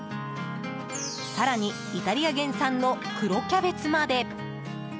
更に、イタリア原産の黒キャベツまで。